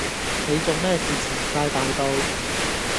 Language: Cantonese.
你仲咩事遲晒大到？